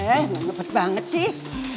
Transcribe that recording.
eh menepat banget sih